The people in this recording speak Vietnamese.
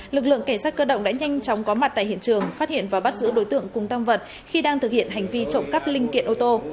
lực lượng cảnh sát cơ động đã nhanh chóng có mặt tại hiện trường phát hiện và bắt giữ đối tượng cùng tăng vật khi đang thực hiện hành vi trộm cắp linh kiện ô tô